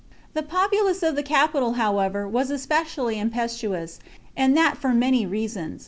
The populace of the capital, however, was especially impetuous, and that for many reasons.